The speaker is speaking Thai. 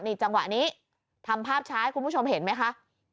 จังหวะนี้ทำภาพช้าให้คุณผู้ชมเห็นไหมคะ